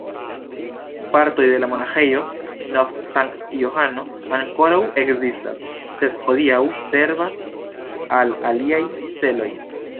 Partoj de la Monaĥejo Nov-Sankt-Johano ankoraŭ ekzistas, sed hodiaŭ servas al aliaj celoj.